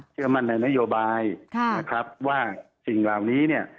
เชื่อมั่นในนโยบายนะครับว่าสิ่งเหล่านี้เนี่ย